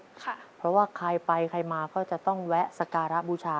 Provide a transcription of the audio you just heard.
เพราะว่าใครไปใครมาก็จะต้องแวะสการะบูชา